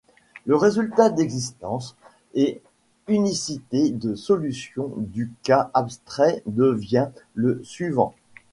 Le résultat d'existence et d'unicité de solution du cas abstrait devient le suivant.